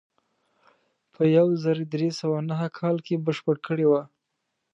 په یو زر درې سوه نهه کال کې بشپړه کړې وه.